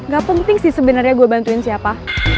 gak penting sih sebenarnya gue bantuin siapa